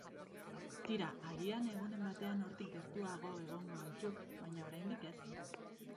Tira, agian egunen batean hortik gertuago egongo gaituk, baina oraindik ez.